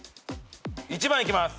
１番いきます。